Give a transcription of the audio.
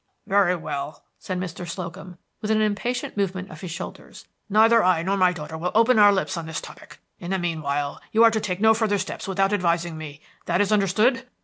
"Very well," said Mr. Slocum, with an impatient movement of his shoulders; "neither I nor my daughter will open our lips on this topic. In the mean while you are to take no further steps without advising me. That is understood?"